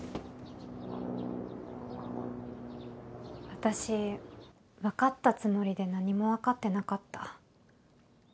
私分かったつもりで何も分かってなかった。